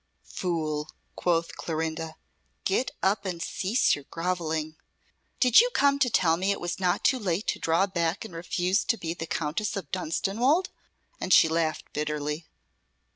"Fool!" quoth Clorinda. "Get up and cease your grovelling. Did you come to tell me it was not too late to draw back and refuse to be the Countess of Dunstanwolde?" and she laughed bitterly.